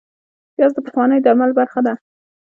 پیاز د پخوانیو درملو برخه وه